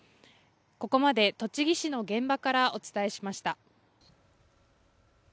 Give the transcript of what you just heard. ここまで栃木市の現場からお伝えしました。